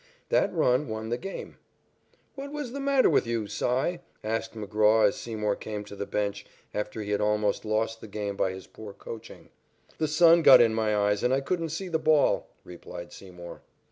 That run won the game. "What was the matter with you, Cy?" asked McGraw as Seymour came to the bench after he had almost lost the game by his poor coaching. "The sun got in my eyes, and I couldn't see the ball," replied Seymour.